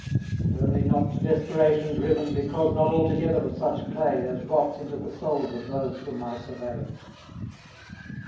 And only not to desperation driven, Because not altogether of such clay As rots into the souls of those whom I survey.